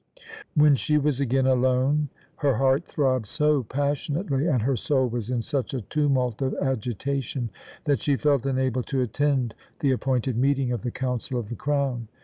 When she was again alone her heart throbbed so passionately and her soul was in such a tumult of agitation that she felt unable to attend the appointed meeting of the Council of the crown.